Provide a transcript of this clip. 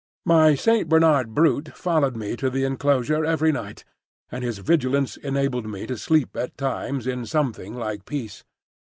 My Saint Bernard brute followed me to the enclosure every night, and his vigilance enabled me to sleep at times in something like peace.